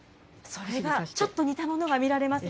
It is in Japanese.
それがちょっとにたものが見られます。